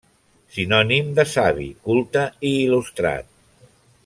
Sinònim de savi, culte i il·lustrat.